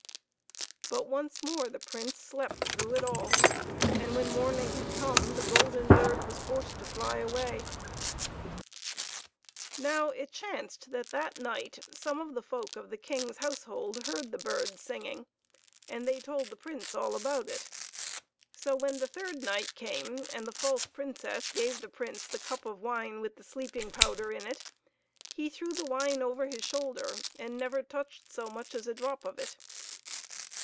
But once more the Prince slept through it all, and when morning had come the golden bird was forced to fly away. i Phe Old King Rejoices. at His Ne Now it chanced that that night some of the folk of the King's household heard the bird singing, and they told the Prince all about it. So when the third night came, and the false Princess gave the Prince the cup of wine with the sleeping powder in it, he threw the wine over his shoulder, and never touched so much as a drop of it.